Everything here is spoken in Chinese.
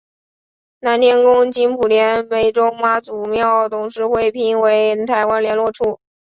南天宫经莆田湄洲妈祖庙董事会聘为台湾连络处。